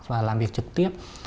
và làm việc trực tiếp